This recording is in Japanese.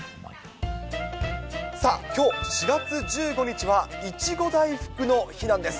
さあ、きょう４月１５日は、いちご大福の日なんです。